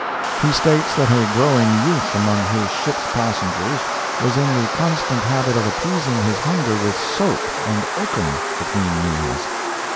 He states that a growing youth among his ship's passengers was in the constant habit of appeasing his hunger with soap and oakum between meals.